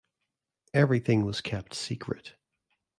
Everything was kept secret.